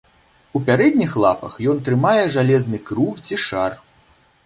У пярэдніх лапах ён трымае жалезны круг ці шар.